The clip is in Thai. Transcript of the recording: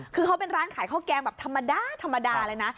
คือเขาเป็นร้านขายข้าวแกงแบบธรรมดาธรรมดาเลยนะ